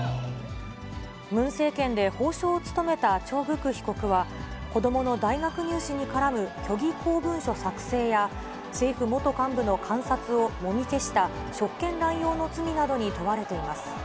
ムン政権で法相を務めたチョ・グク被告は、子どもの大学入試に絡む虚偽公文書作成や、政府元幹部の監察をもみ消した職権乱用の罪などに問われています。